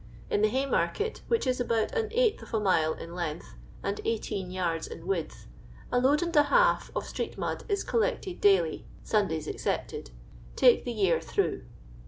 In the Haymarkct. which is about an eighth of a mile in length, and 18 yards in width, a load and a half of street mud is collected daily (Sun days excepted), take the year through.